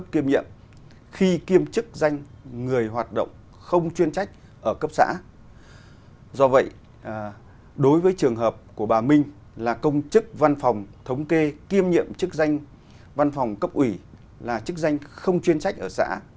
khi kiêm chức danh người hoạt động không chuyên trách ở cấp xã do vậy đối với trường hợp của bà minh là công chức văn phòng thống kê kiêm nhiệm chức danh văn phòng cấp ủy là chức danh không chuyên trách ở xã